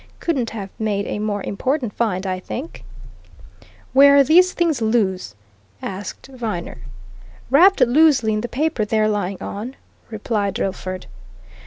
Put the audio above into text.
Couldn't have made a more important find, I think. "Were these things loose?" asked Viner. "Wrapped loosely in the paper they're lying on," replied Drillford.